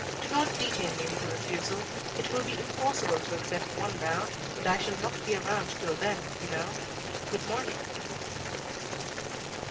Do not detain me with a refusal; it will be impossible to accept one now, and I shall not be around till then, you know. Good morning."